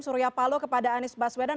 surya palo kepada anies baswedan